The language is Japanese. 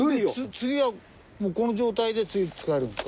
次はもうこの状態で次使えるんですか？